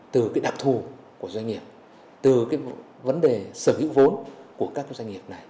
từ đặc thù của doanh nghiệp từ vấn đề sở hữu vốn của các doanh nghiệp này